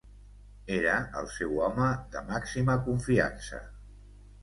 Era el seu home de màxima confiança.